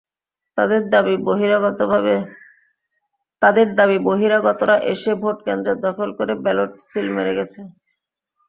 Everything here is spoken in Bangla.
তাঁদের দাবি, বহিরাগতরা এসে ভোটকেন্দ্র দখল করে ব্যালটে সিল মেরে গেছে।